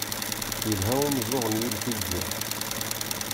Yelha umeẓẓuɣ n yilef i lǧerḥ.